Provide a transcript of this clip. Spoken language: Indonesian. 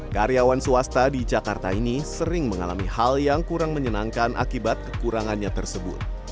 karyawan swasta di jakarta ini sering mengalami hal yang kurang menyenangkan akibat kekurangannya tersebut